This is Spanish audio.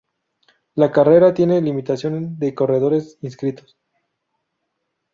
La carrera tiene limitación de corredores inscritos.